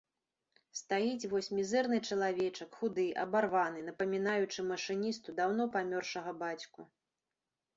Стаіць вось мізэрны чалавечак, худы, абарваны, напамінаючы машыністу даўно памёршага бацьку.